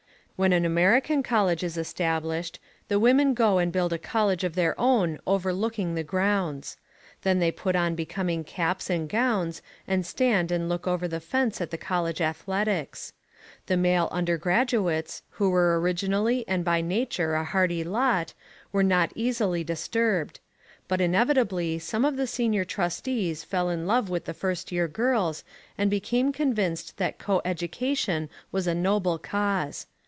When an American college is established, the women go and build a college of their own overlooking the grounds. Then they put on becoming caps and gowns and stand and look over the fence at the college athletics. The male undergraduates, who were originally and by nature a hardy lot, were not easily disturbed. But inevitably some of the senior trustees fell in love with the first year girls and became convinced that coeducation was a noble cause.